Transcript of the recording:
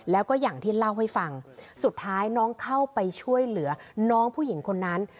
แล้วก็อย่างที่เล่าให้ฟังสุดท้ายน้องเข้าไปช่วยเหลือน้องผู้หญิงคนนั้น